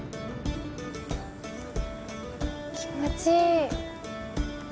気持ちいい。